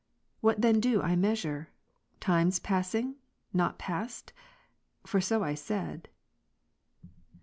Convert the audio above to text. What then do I measure ? Times passing, not past ? for so I said.